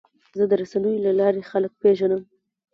زه د رسنیو له لارې خلک پیژنم.